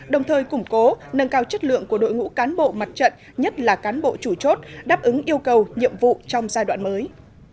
đồng thời củng cố nâng cao chất lượng của đội ngũ cán bộ mặt trận nhất là cán bộ chủ chốt đáp ứng yêu cầu nhiệm vụ trong giai đoạn mới